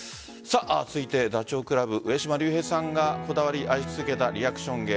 続いて、ダチョウ倶楽部上島竜兵さんがこだわり愛し続けたリアクション芸。